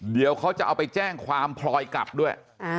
เดี๋ยวเขาจะเอาไปแจ้งความพลอยกลับด้วย